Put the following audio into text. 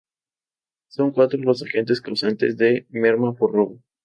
Son cuatro los agentes causantes de merma por robo.